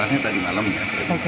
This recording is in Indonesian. akhirnya tadi malam ya